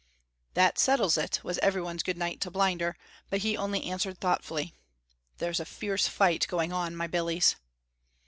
"That settles it," was everyone's good night to Blinder, but he only answered thoughtfully, "There's a fierce fight going on, my billies."